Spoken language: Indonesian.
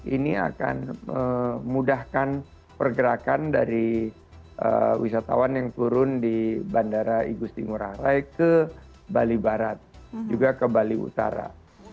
ini akan memudahkan pergerakan dari wisatawan yang turun di bandara igusti ngurah rai ke bali barat juga ke bali utara